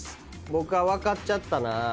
僕は分かっちゃったなぁ。